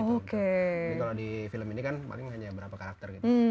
jadi kalau di film ini kan paling hanya berapa karakter